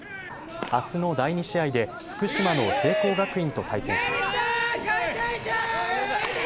あすの第２試合で福島の聖光学院と対戦します。